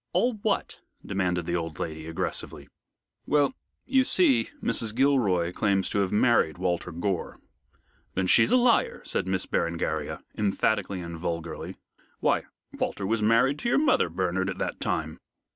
"All what?" demanded the old lady, aggressively. "Well, you see, Mrs. Gilroy claims to have married Walter Gore." "Then she's a liar," said Miss Berengaria, emphatically and vulgarly. "Why, Walter was married to your mother, Bernard, at that time."